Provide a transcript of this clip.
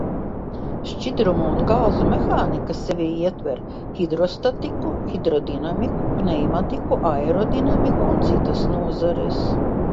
Šķidrumu un gāzu mehānika sevī ietver hidrostatiku, hidrodinamiku, pneimatiku, aerodinamiku un citas nozares.